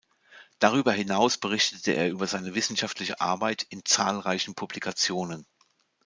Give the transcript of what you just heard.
Darüber hinaus berichtete er über seine wissenschaftliche Arbeit in zahlreichen Publikationen.